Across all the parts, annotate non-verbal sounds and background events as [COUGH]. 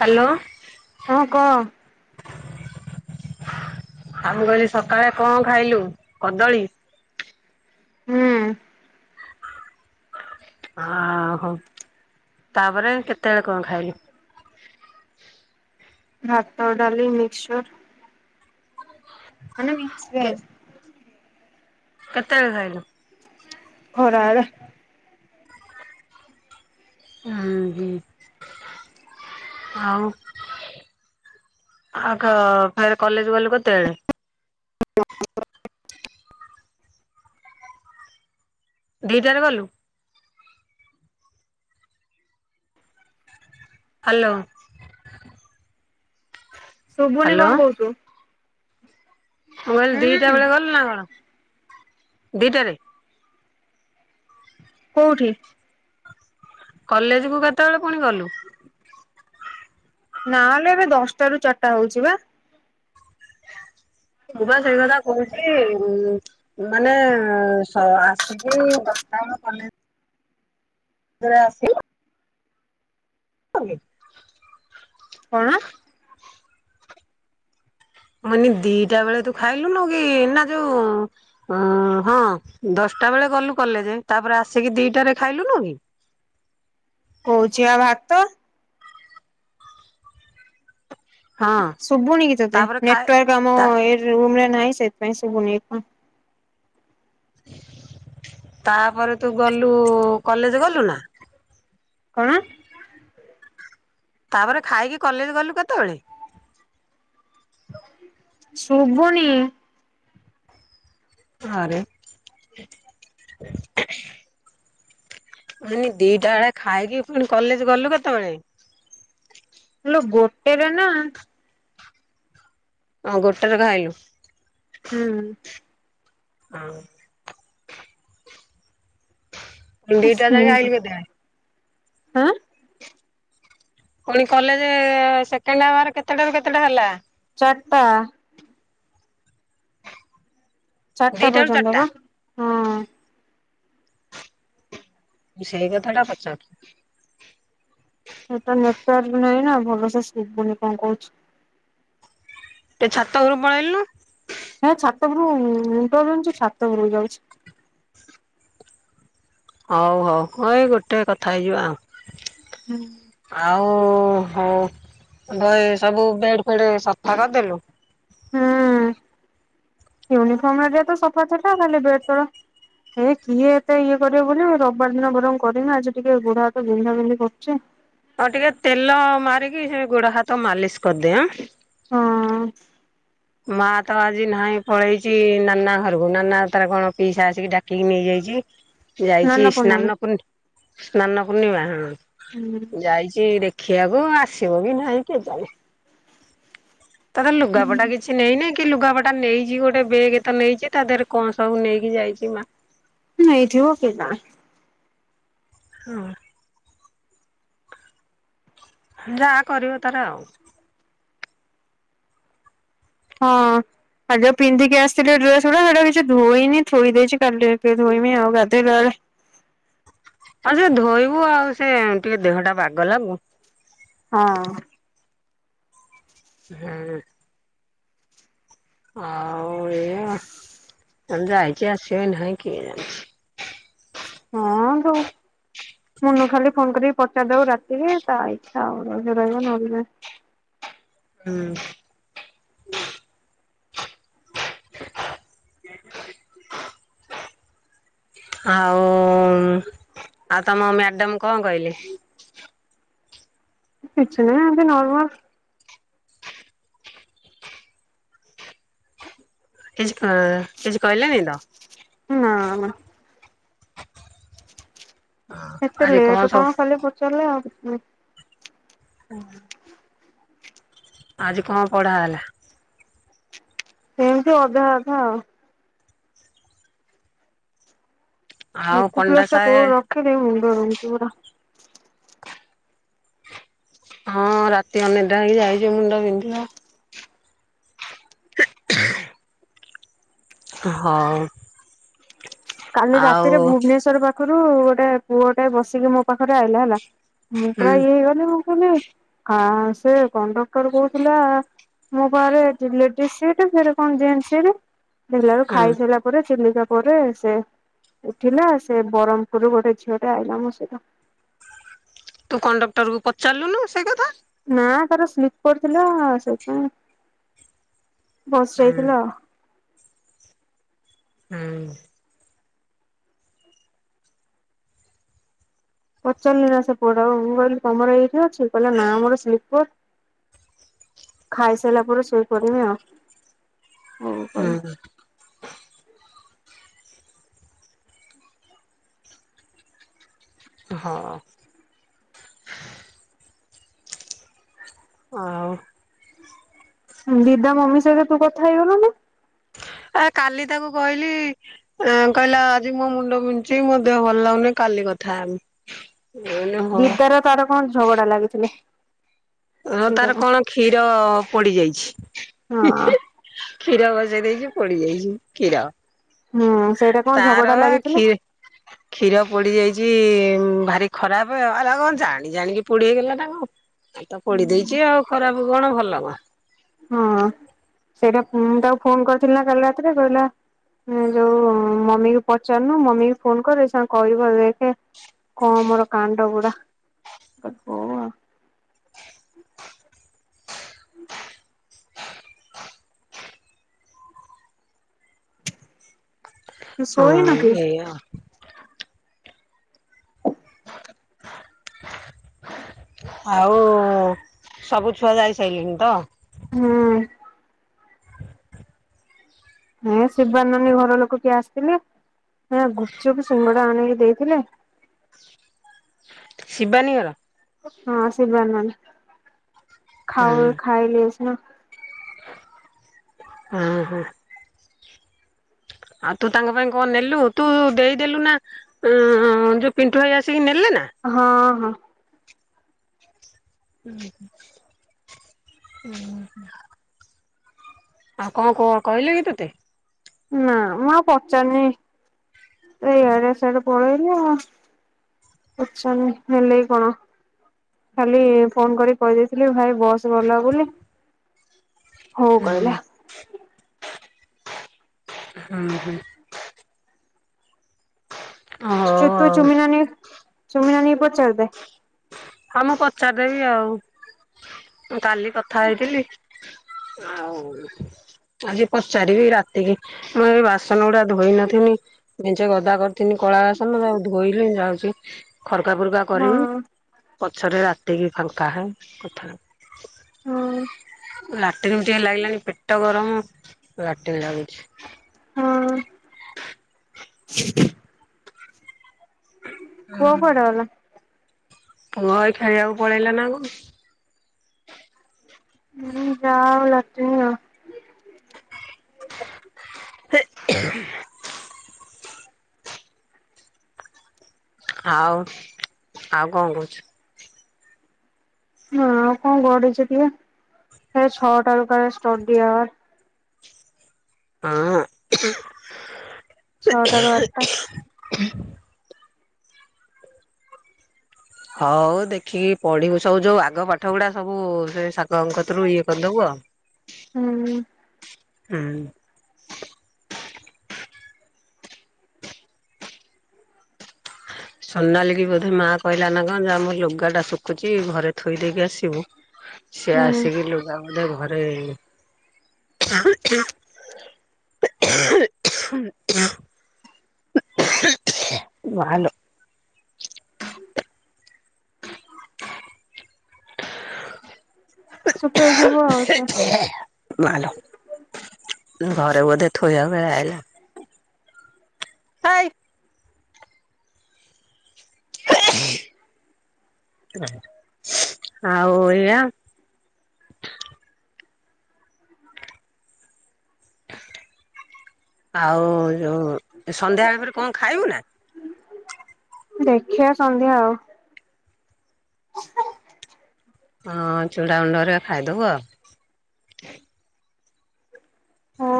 Hello. ହଁ କହ। ଆ ମୁଁ କହିଲି ସକାଳେ କଣ ଖାଇଲୁ? କଦଳୀ? ହୁଁ ଆଁ ହୋ। ତାପରେ କେତେବେଳେ କଣ ଖାଇଲୁ? ଭାତ, ଡାଲି, ମିକ୍ସଚର ମାନେ ମିକ୍ସଭେଜ୍। କେତେବେଳେ ଖାଇଲୁ? ଖରାବେଳେ। ଉଁ ହୁଁ। ଆଉ ଆଉ କହ ଫେରେ କଲେଜ୍ ଗଲୁ କେତେବେଳେ? ଦିଟାରେ ଗଲୁ? ହାଲୋ। ଶୁଭୁନି କଣ କହୁଚୁ। ମୁଁ କହିଲି ଦିଟା ବେଳେ ଗଲୁ ନା କଣ? ଦିଟାରେ? କୋଉଠି? କଲେଜକୁ କେତେବେଳେ ପୁଣି ଗଲୁ? ନାଁ ଲୋ, ଏବେ ଦଶଟାରୁ ଚାରିଟା ହଉଛି ବା। ମୁଁ ବା ସେଇ କଥା କହୁଛି। ଉ-ମାନେ ସ-ଆସିକି ଦଶ ଆମ କଲେଜ୍ କେତେବେଳେ ଆସିଲୁ? [UNINTELLIGIBLE] କଣ? ମାନେ ଦିଟା ବେଳେ ତୁ ଖାଇଲୁନୁ କି ନା ଯୋଉ ଅ ହଁ ଦଶ ଟା ବେଳେ ଗଲୁ କଲେଜେ ତାପରେ ଆସିକି ଦିଟାରେ ଖାଇଲୁନୁ କି? କହୁଚି ପା ଭାତ। ହଁ ସୁଭୁନି କି ତୋତେ? ତାପରେ ଖାଏ ନେଟୱାର୍କ ଆମ ତା ଏ ରୁମ୍ ରେ ନାଇଁ ସେଥିପାଇଁ ପାଇ ସୁଭୁନି କି କଣ। ତାପରେ ତୁ ଗଲୁ କଲେଜ ଗଲୁ ନା? କଣ? ତାପରେ ଖାଇକି କଲେଜ ଗଲୁ କେତେବେଳେ? ଶୁଭୁନି। ଆରେ ମୁଁ ମୁଁ କହିନି ଦିଟା ବେଳେ ଖାଇକି ପୁଣି କଲେଜ ଗଲୁ କେତେବେଳେ? ଗୋଟେରେ ନା। ହଁ ଗୋଟ ରେ ଖାଇଲୁ। ହୁଁ ହଁ। ଉଁ ଦି ଟା ରେ ଯାଇକି ଆଇଲୁ କେତେବେଳେ? ଆଁ। ପୁଣି କଲେଜେ ସେକେଣ୍ଡ ଆୱାର କେତେଟା ରୁ କେତେଟା ହେଲା? ଚାରଟା। ଚାରିଟା ଦିଟାରୁ ପର୍ଯ୍ୟନ୍ତ ଚାରିଟା ପା ହଁ। ମୁଁ ସେଇ କଥା ଟା ପଚାରୁଚି। ଏ ତ ନେଟୱାର୍କ ନାହିଁ ନା ଭଲ ସେ ଶୁଭୁନି କଣ କହୁଛୁ। ଟିକେ ଛାତ ଉପରୁକୁ ପଳେଇଲୁନୁ। ହେ ଛାତ ଉପରୁକୁ ଉଁ ମୁଣ୍ଡ ବିନ୍ଧୁଚି ଛାତ ଉପରୁକୁ ଯାଉଛି। ହଉ ହଉ ହଁ ଏଇ ଗୋଟେ କଥା ହେଇଯିବା ଆଉ ଆଉ। ହଉ ବଏ ସବୁ ବେଡ ଫେଡେ ସଫା କରିଦେଲୁ? ଉଁ ୟୁନିଫର୍ମ ହେରିକା ତ ସଫା ଥିଲା ଖାଲି ବେଡ ତଳ। ଏ କିଏ ଏତେ ଇଏ କରିବ ବୋଲି ରବିବାର ଦିନ ବରଂ କରିମି ଆଜି ଟିକେ ଗୋଡ଼ ହାତ ବିନ୍ଧା ବିନ୍ଧି କରୁଚି। ଆଉ ଟିକେ ତେଲ ମାରିକି ସେ ଗୋଡ ହାତ ମାଲିସ କରିଦେ ଆଁ। ହଁ। ମା ତ ଆଜି ନାହିଁ ପଳେଇଛି ନାନା ଘରକୁ ନାନା ତାର କଣ ପିଇସା ଆସିକି ଡାକିକି ନେଇଯାଇଛି। ଯାଇଛି ନାନା ପୂର୍ଣ୍ଣମୀ ସ୍ନାନ ପୂନ ସ୍ନାନ ପୂର୍ଣିମା ହଁ ଯାଇଛି ଦେ ଦେଖିଆକୁ ଆସିବ କି ନାହିଁ କେଜାଣି। ତାର ହୁଁ ଲୁଗାପଟା କିଛି ନେଇନାଇ କି ଲୁଗାପ ଟା ନେଇଛି ଗୋଟେ ବେଗେ ତ ନେଇଛି ତା ଦେହରେ କଣ ସବୁ ନେଇକି ଯାଇଛି ମା। ନେଇଥିବ କିଏ ଜାଣେ। ହଁ। ଯାହା କରିବ ତାର ଆଉ। ହଁ। ଆଜି ଯାହାକୁ ପିନ୍ଧିକି ଆସିଥିଲି ଡ୍ରେସ୍ ଗୁଡା ସେଟା କିଛି ଧୋଇନି ଥୋଇଦେଇଚି କାଲି ଏତିକି ଧୋଇମି ଗାଧେଇଲା ବେଳେ। ଆଉ ସେ ଧୋଇବୁ ଆଉ ସେ ଟିକେ ଦେହ ଟା ବାଗ ଲାଗୁ। ହଁ। ହୁଁ। ଆଉ ଏଇଆ। ହଁ ଯାଇଛି ଆସିବେ ନାହି କିଏ ଜାଣେ। ହଁ ବୋଉ। ମୁନୁ ଖାଲି ଫୋନ କରିକି ପଚାରି ଦବ ରାତିକି ତା ଇଚ୍ଛା ଆଉ ରହିଲେ ରହିବ ନହଲେ ନାହିଁ। ହୁଁ। [UNINTELLIGIBLE] ଆଉ ଉଁ। ଆଉ ତମ ମ୍ୟାଡାମ କଁ କହିଲେ। କିଛି ନାହିଁ ଏମିତି ନର୍ମାଲ। କିଛି କ କିଛି କହିଲେନି ତ। ନା ନା ଏତେ ଆଜି ଲେଟ ସବୁ କଣ ଖାଲି ପଚାରିଲେ ଆଉ କିଛି ନାହିଁ। ଉହୁଁ। ଆଜି କଣ ପଢା ହେଲା। ଏମିତି ଅଧା ଅଧା ଆଉ‌। ଆଉ ପଣ୍ଡା ମେଥପଲ୍ସ ଟା ସାହେବ କୋଉଠି ରଖିଲି ମୁଣ୍ଡ ବିନ୍ଧୁଚି ମୋରୋ। ହଁ ରାତି ଅନିଦ୍ରା ହେଇକି ଯାଇଚୁ ମୁଣ୍ଡ ବିିନ୍ଧିବ। ହଁ। କାଲି ରାତିରେ ଭୁବନେଶ୍ଵର ପାଖୁରୁ ଗୋଟେ ପୁଅ ଟେ ବସିକି ମୋ ପାଖରେ ଆଇଲା ହେଲା। ମୁଁ ହୁଁ ପ୍ରାୟ ଇଏ ହେଇଗଲି ମୁଁ କହିଲି ଆଁ ସେ କଣ୍ଡକ୍ଟର କୋହୁଥିଲା। ମୋ ପାଖରେ ଲେଡିଜ୍ ସିଟ୍ ଫେରେ କଣ ଜେନ୍ସ ସିଟ୍। ଦେଖିଲା ବେଲାବେଳୁ ହୁଁ ଖାଇସାଇଲା ପରେ ଚିଲିକା ପରେ ସେ ଉଠିଲା ସେ ବ୍ରହ୍ମପୁରରୁ ଗୋଟେ ଝିଅଟେ ଆଇଲା ମୋ ସହିତ। ତୁ କଣ୍ଡକ୍ଟର କୁ ପଚାରଲୁନି ସେଇ କଥା। ନାଁ ତାର ସ୍ଲିପର୍ ଥିଲା ସେଇଥିପାଇଁ। ବସ ହୁଁ ଯାଇଥିଲ ଆଉ। ହୁଁ। ପଚାରିଲି ନା ସେପଟ ଆଉ ମୁଁ କହିଲି ତମର ଏଇଠି ଅଛି କହିଲା ନା ମୋରୋ ସ୍ଲିପର୍। ଖାଇସାଇଲା ପରେ ସୋଇ ପଡ଼ିବି ଆଉ। ହଉ ହୁଁ। କହିଲି। ହଁ। ଆଉ। ଦିଦା ମମି ସହିତ ତୁ କଥା ହେଇଗଲୁନି। [INAUDIBLE] ଆଁ କାଲି ତାକୁ କହିଲି ଏଁ କହିଲା ଆଜି ମୋ ମୁଣ୍ଡ ବିନ୍ଧୁଚି ମୋ ଦେହ ଭଲ ଲାଗୁନି କାଲି କଥା ହେମି। ଦିଦାର ତାର କଁ ଝଗଡା ଲାଗିଥିଲେ। ଅଁ ସେଇଟା ତାର ପା କଣ କ୍ଷୀର ପୋଡିଯାଇଛି। ହଁ କ୍ଷୀର ବସେଇ ଦେଇଚି ପୋଡିଯାଇଚି କ୍ଷୀର। ହୁଁ ସେଇଟା କଣ ତାର ଝଗଡା ବା ଲାଗିଥିଲେ ଖି କ୍ଷୀର ପୋଡିଯାଇଚି। ଉଁ ଭାରି ଖରାପ ଆ ଏରା କଁ ଜାଣି ଜାଣିକି ପୋଡିହେଇଗଲା ନା କଁ। ଆଉ ତ ପୋଡି ଦେଇଚି ଆଉ ଖରାପ କଣ ଭଲ କଁ। ହଁ ସେଇଟା ମୁଁ ତାକୁ ଫୋନ୍ କରିଥିଲି ନା କାଲି ରାତିରେ କହିଲା ଉଁ ଯୋଉ ମମିକୁ ପଚାରୁନୁ ମମିକୁ ଫୋନ କରେ ସେ କଁ କହିବ ଦେଖୀ କଁ ମୋରୋ କାଣ୍ଡ ଗୁଡା ମୁଁ କହିଲି ହୋଉ ଆଉ। ତୁ ଶୋଇନୁ ହଁ କି? ଏୟା ଆଉ। [INAUDIBLE] ଆଉ ସବୁ ଛୁଆ ଯାଇ ସାଇଲେଣିି ତ। ହୁଁ। ହେଁ ଶିବାନ ନାନୀ ଘର ଲୋକୋ କିଏ ଆସିଥିଲେ ହେରା ଗୁପଚପ ସିଙ୍ଗ ଡା ଆଣିକି ଦେଇଥିଲେ। ଶିବାନୀ ଘର। ହଁ ଶିବାନୀ ନାନୀ ହଁ ଖାଉ ଖାଇ। [UNINTELLIGIBLE] ଅହଁ। ଆଉ ତୁ ତାଙ୍କ ପାଇଁ କଁ ନେଲୁ ତୁ ଦେଇଦେଲୁ ନା ଅଁ ଯୋଉ ପିଣ୍ଠୁ ଭାଇ ଆସିକି ନେ ହଁ ହଁ। ଉହୁଁ ଉହୁଁ। ଆଉ କଁ କୋ କହିଲେ କି ତତେ। ନା ମୁଁ ଆଉ ପଚାରୁନି ଇଆଡେ ସିଆଡେ ପଳେଇଲେ ପଚାରିନି ହେଲେ କଣ ଖାଲି ଫୋନ କରି କହିଦେଇଥିଲି ଭାଇ ବସ୍ ଭଲ ଲାଗୁନି ହଉ ହୁଁ। କହିଲା ହୁଁ ହୁଁ ହଉ ତୁ ଆଉ ଚୁମି ନାନୀ ଚୁମି ନାନୀକୁ ପଚାରି ଦେ ହଁ ମୁଁ ପଚାରିଦେବି ଆଉ କାଲି କଥା ହେଇଥିଲି ହଉ ଆଜି ପଚାରିବି ରାତିକି ମୁଁ ଏ ବାସନ ଗୁଡା ଧୋଇ ନଥିନି ମେଞ୍ଚେ ଗଦା କରିଥିନି କଳାବାସନ ତାକୁ ଧୋଇଲେ ହିଁ ଯାଉଛି ଖରକା ଫୁର୍କା ହଁ କରିମି ପଛରେ ରାତିକି ଫାଙ୍କା ହେ କଥା ହଁ ହେମି ଲାଟିନ୍ ବି ଟିକେ ଲାଗିଲାଣିି ପେଟ ଗରମ ଲାଟିନ଼ ଲାଗୁଛି ହଁ ପୁଅ କୁଆଡେ ଗଲା ପୁଅ ଏଇ ଖେଳିବାକୁ ପଳେଇଲା ନା କଣ ଯାଉ ହୁଁ ହେ ଆଉ ଆଉ କଣ କହୁଛୁ ହଁ ଆଉ କଣ [UNINTELLIGIBLE] ସେ ଛଅଟାରୁ କାଳେ ଷ୍ଟଡି ଆଉଆର ହଁ ଛଅଟାରୁ ଆଠଟା ହଉ ଦେଖିକି ପଢିବୁ ସବୁ ଯୋଉ ଆଗ ପାଠ ଗୁଡା ସବୁ ସେ ସାଙ୍ଗଙ୍କତରୁ ଇଏ କରିଦବୁ ଆଉ ହ ହୁଁ ହୁଁ ସୋନାଲିକୁ ବୋଧେ ମା କହିଲା ନା କଣ ଯା ମୋ ଲୁଗା ଟା ଶୁଖୁଚି ଘରେ ଥୋଇ ଦେଇକି ଆସିବୁ ସେ ହୁଁ ଆସିକି ଲୁଗା ବୋଧେ ଘରେ ମାଆଲୋ ଶୁକ୍ରବାର ସବୁ ମାଆଲୋ ଘରେ ବୋଧେ ଥୋଇବାକୁ ଆଇଲା ହାୟ ଆଉ ଏଇଆ ଆଉ ଯୋଉ ସନ୍ଧ୍ୟାବେଳ ପରେ କଣ ଖାଇବୁ ନା ଦେଖିଆ ସନ୍ଧ୍ୟା ହଉ ହଁ ଚୂଡ଼ା ଗୁଣ୍ଡରେ ଖାଇଦବୁ ହଁ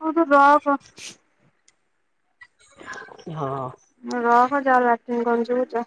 ହଉ ତୁ ରଖ ହଁ ରହ ଯା ଲାଟିନ ଗନ୍ଧଉଛୁ